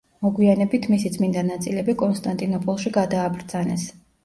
მოგვიანებით მისი წმინდა ნაწილები კონსტანტინოპოლში გადააბრძანეს.